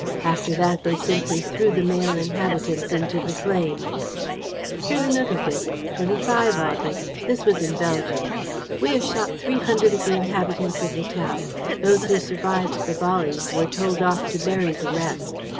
After that, they simply threw the male inhabitants into the flames.' Here's another bit: '25 August.' This was in Belgium. 'We have shot three hundred of the inhabitants of the town. Those who survived the volleys were told off to bury the rest.